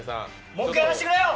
もう一回やらせてくれよ！